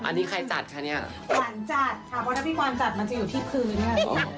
อันนี้ใครจัดคะเนี่ยหวานจัดค่ะเพราะถ้าพี่พรจัดมันจะอยู่ที่พื้น